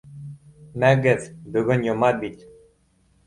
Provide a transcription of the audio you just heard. — Мәгеҙ, бөгөн йома бит!